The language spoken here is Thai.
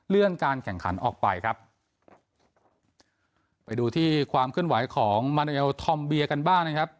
เลื่อนการแข่งขันออกไปครับไปดูที่ความขึ้นไหวของมันเอลธอมเบียกันบ้างนะครับ